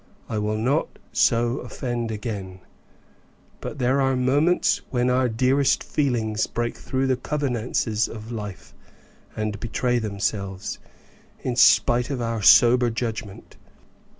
I will not so offend again; but there are moments when our dearest feelings break through the convenances of life and betray themselves, in spite of our sober judgment.